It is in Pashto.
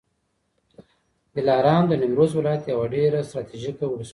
دلارام د نیمروز ولایت یوه ډېره ستراتیژیکه ولسوالي ده